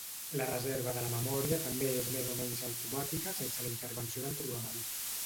La reserva de memòria també és més o menys automàtica sense la intervenció del programador.